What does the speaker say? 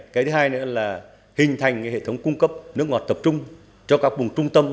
cái thứ hai nữa là hình thành hệ thống cung cấp nước ngọt tập trung cho các vùng trung tâm